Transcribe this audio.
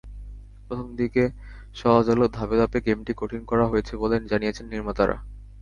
প্রথম দিকে সহজ হলেও ধাপে ধাপে গেমটি কঠিন করা হয়েছে বলে জানিয়েছেন নির্মাতারা।